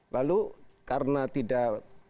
lalu karena tidak